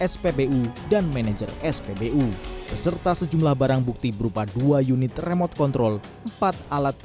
spbu dan manajer spbu beserta sejumlah barang bukti berupa dua unit remote control empat alat